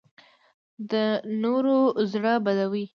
د نورو زړه بدوي